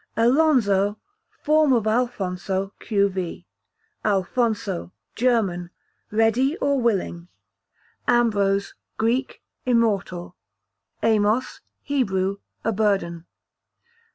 Alonzo, form of Alphonso, q.v. Alphonso, German, ready or willing. Ambrose, Greek, immortal. Amos, Hebrew, a burden.